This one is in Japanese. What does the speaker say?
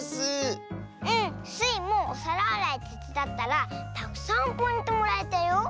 スイもおさらあらいてつだったらたくさんポイントもらえたよ。